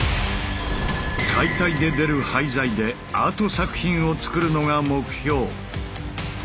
解体で出る廃材でアート作品を作るのが目標。